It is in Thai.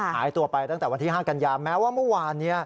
หายตัวไปตั้งแต่วันที่๕กันยาแม้ว่าเมื่อวานนี้